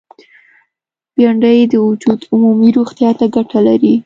بېنډۍ د وجود عمومي روغتیا ته ګټه لري